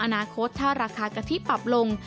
อนาคตถ้าราคากะทิปรับลง